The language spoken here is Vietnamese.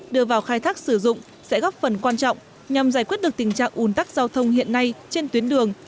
đưa vào khai thác sử dụng sẽ góp phần quan trọng nhằm giải quyết được tình trạng ủn tắc giao thông hiện nay trên tuyến đường